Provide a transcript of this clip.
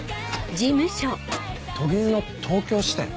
都銀の東京支店？